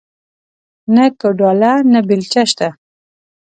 نه کوداله نه بيلچه شته